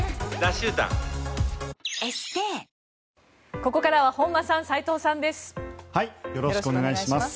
ここからは本間さん、斎藤さんです。